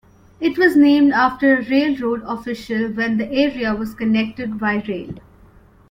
It was named after a railroad official when the area was connected by rail.